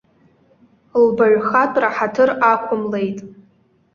Лбаҩхатәра ҳаҭыр ақәымлеит.